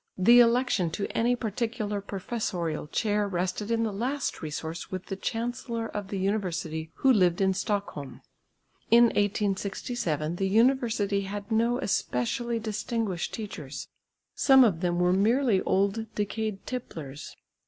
The election to any particular professorial chair rested in the last resource with the Chancellor of the University who lived at Stockholm. In 1867 the University had no especially distinguished teachers. Some of them were merely old decayed tipplers.